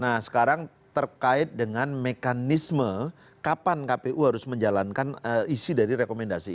nah sekarang terkait dengan mekanisme kapan kpu harus menjalankan isi dari rekomendasi